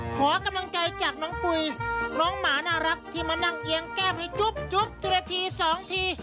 ขอกำลังใจจากน้องปุ๋ยน้องหมาน่ารักที่มานั่งเอียงแก้มให้จุ๊บทีละทีสองที